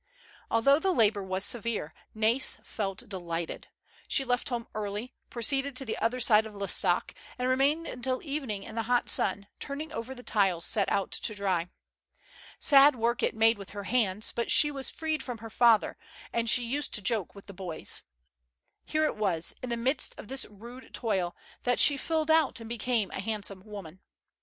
Although the labor was severe, Nais felt delighted. She left home early, proceeded to the other side of L'Estaque, and remained until evening in the hot sun, turning over the tiles set out to dry. Sad work it made with her hands, but she was freed from her father, and she used to joke with the boys. Here it was, in the midst of this rude toil, that she filled out and became a handsome woman.